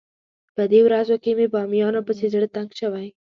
په دې ورځو کې مې بامیانو پسې زړه تنګ شوی.